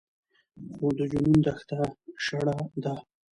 خو د جنون دښته شړه ده